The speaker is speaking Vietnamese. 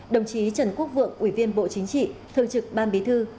đồng chí trần quốc vượng ủy viên bộ chính trị thường trực ban bí thư